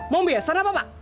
mau biasanya apa pak